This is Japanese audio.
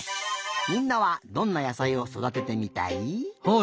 みんなはどんな野さいをそだててみたい？